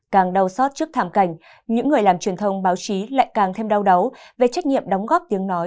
càng đau xót trước thảm cảnh những người làm truyền thông báo chí lại càng thêm đau đáu về trách nhiệm đóng góp tiếng nói